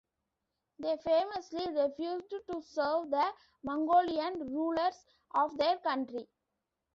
They famously refused to serve the Mongolian rulers of their country.